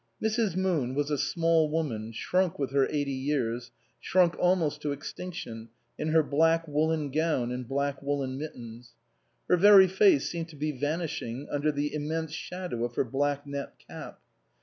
Mrs. Moon was a small woman shrunk with her eighty years, shrunk almost to extinc tion in her black woollen gown and black woollen mittens. Her very face seemed to be vanishing under the immense shadow of her black net cap.